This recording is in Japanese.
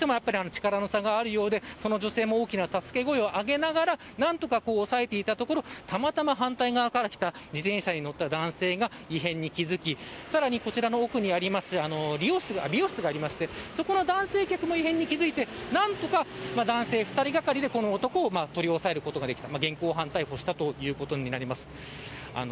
ただ、どうしても力の差があるようでその女性も大きな助け声を上げながら何とか押さえていたところたまたま反対側から来た自転車に乗った男性が異変に気づきさらにこちらの奥にある美容室がありましてそこの男性客も異変に気付いて何とか男性２人がかりでこの男を取り押さえることができた。